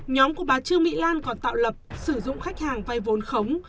nhóm của bà trương mỹ lan còn tạo lập sử dụng khách hàng vay vốn khống